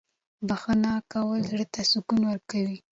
بښنه کول زړه ته سکون ورکوي.